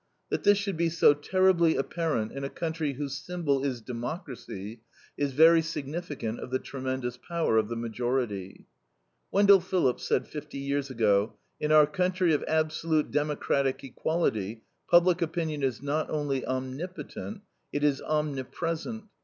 That this should be so terribly apparent in a country whose symbol is democracy, is very significant of the tremendous power of the majority. Wendell Phillips said fifty years ago: "In our country of absolute democratic equality, public opinion is not only omnipotent, it is omnipresent.